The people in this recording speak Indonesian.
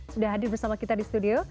sudah hadir bersama kita di studio